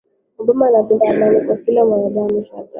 obama anapenda amani kwa kila mwanadamu shadrack